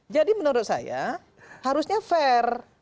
jadi menurut saya harusnya fair